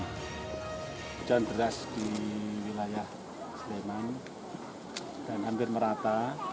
hujan deras di wilayah sleman dan hampir merata